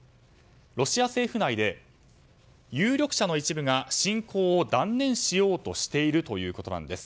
ロシア政府内で有力者の一部が侵攻を断念しようとしているということです。